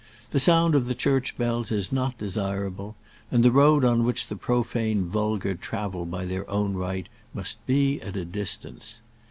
The sound of the church bells is not desirable, and the road on which the profane vulgar travel by their own right must be at a distance.